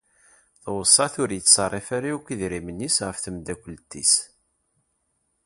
Tweṣṣa-t ur yetṣerrif ara yakk idrimen-is ɣef temdakult-is.